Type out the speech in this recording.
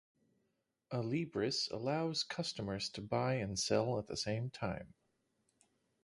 Alibris allows customers to buy and sell at the same time.